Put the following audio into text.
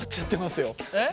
えっ？